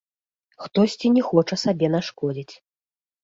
Хтосьці не хоча сабе нашкодзіць.